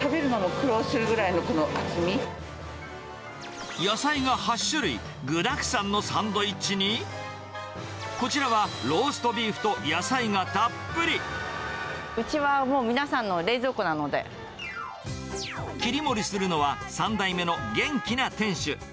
食べるのに苦労するぐらいの野菜が８種類、具だくさんのサンドイッチに、こちらは、ローストビーフと野菜うちはもう皆さんの冷蔵庫な切り盛りするのは、３代目の元気な店主。